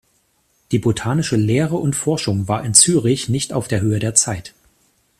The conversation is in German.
Die botanische Lehre und Forschung war in Zürich nicht auf der Höhe der Zeit.